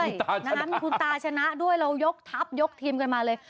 ใช่มีคุณตาชนะด้วยเรายกทัพยกทีมกันมาเลย